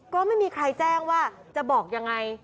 ก็ไม่มีใครแจ้งว่าจะบอกยังไง